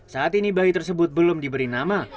saat ini bayi tersebut belum diberi nama